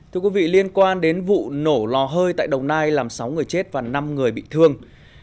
thưa quý vị liên quan đến vụ nổ lò hơi tại đồng nai làm sáu người chết và năm người bị thương